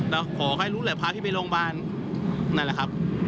แล้วขอให้รู้แหละพาพี่ไปโรงพยาบาลนั่นแหละครับ